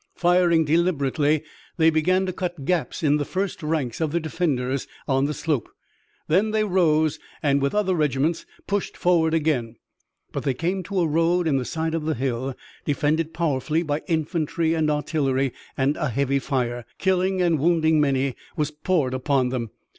Firing deliberately, they began to cut gaps in the first ranks of the defenders on the slope. Then they rose and with other regiments pushed forward again. But they came to a road in the side of the hill defended powerfully by infantry and artillery, and a heavy fire, killing and wounding many, was poured upon them.